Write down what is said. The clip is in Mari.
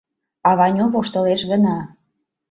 А Ваню воштылеш гына.